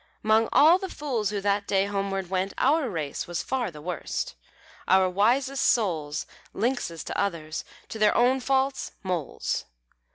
'Mong all the fools who that day homeward went, Our race was far the worst: our wisest souls Lynxes to others', to their own faults moles.